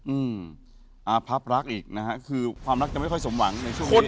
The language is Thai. อืมอ่าพับรักอีกนะฮะคือความรักจะไม่ค่อยสมหวังในช่วงนี้